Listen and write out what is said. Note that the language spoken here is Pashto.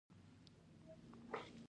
تیمور میانه قده او نسبتا چاغ سړی دی.